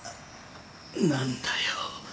何だよ。